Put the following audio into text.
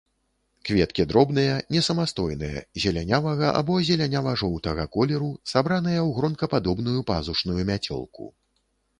Кветкі дробныя, несамастойныя, зелянявага або зелянява-жоўтага колеру, сабраныя ў гронкападобную пазушную мяцёлку.